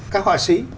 các họa sĩ